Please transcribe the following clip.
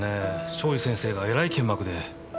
庄司先生がえらい剣幕で。